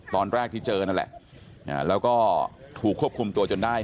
ตอนแรกที่เจอนั่นแหละแล้วก็ถูกควบคุมตัวจนได้